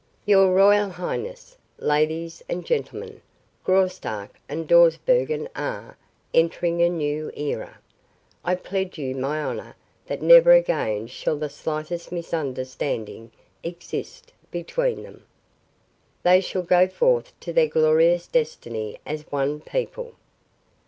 "Your Royal Highness, Ladies and Gentlemen: Graustark and Dawsbergen are entering a new era. I pledge you my honor that never again shall the slightest misunderstanding exist between them. They shall go forth to their glorious destiny as one people.